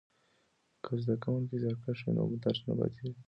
که زده کوونکی زیارکښ وي نو درس نه پاتیږي.